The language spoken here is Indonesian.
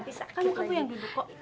tante duduk aja